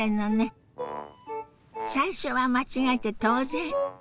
最初は間違えて当然。